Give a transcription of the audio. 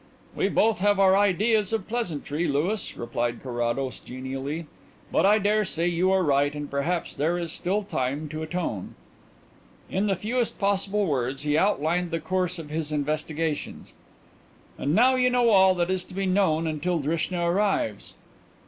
"We both have our ideas of pleasantry, Louis," replied Carrados genially. "But I dare say you are right and perhaps there is still time to atone." In the fewest possible words he outlined the course of his investigations. "And now you know all that is to be known until Drishna arrives."